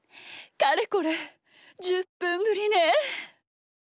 かれこれ１０ぷんぶりねえ！